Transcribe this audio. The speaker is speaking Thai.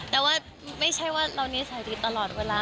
แต่ว่าไม่ใช่ว่าเรานิสัยดีตลอดเวลา